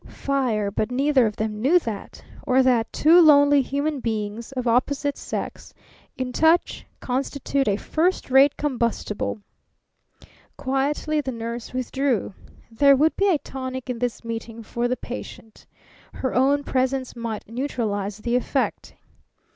Fire; but neither of them knew that; or that two lonely human beings of opposite sex, in touch, constitute a first rate combustible. Quietly the nurse withdrew. There would be a tonic in this meeting for the patient. Her own presence might neutralize the effect.